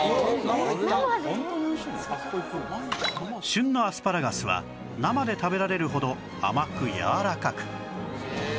旬のアスパラガスは生で食べられるほど甘くやわらかく